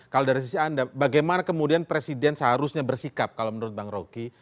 kalau dari sisi anda bagaimana kemudian presiden seharusnya bersikap kalau menurut bang rocky